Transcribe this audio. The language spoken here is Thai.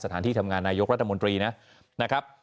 ที่ทำงานนายกรัฐมนตรีนะครับ